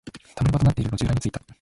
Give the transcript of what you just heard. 溜まり場となっている路地裏に着いた。